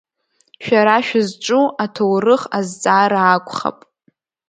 Шәара шәызҿу аҭоурых азҵаара акәхап.